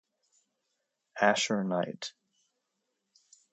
Asher Knight.